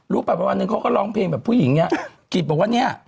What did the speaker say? รู้ป่ะเพราะวันหนึ่งเขาก็ร้องเพลงแบบผู้หญิงเนี้ยกิศบอกว่าเนี้ย